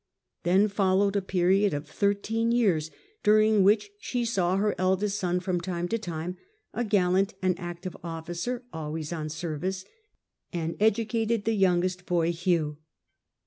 Then followed a period of thirteen years, during which she saw her eldest son from time to time a gallant and active officer, always on service and educated the youngest boy, Hugh.